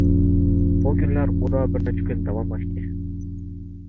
بۇ كۈنلەر ئۇدا بىر نەچچە كۈن داۋاملاشتى.